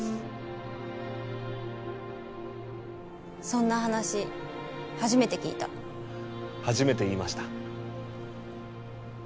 そんな話初めて聞いた初めて言いました